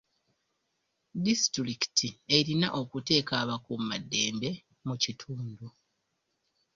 Disitulikiti erina okuteeka abakuumaddembe mu kitundu.